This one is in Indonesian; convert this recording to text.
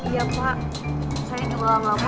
iya pak saya juga gak mau